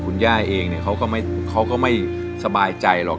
คุณย่าเองเขาก็ไม่สบายใจหรอก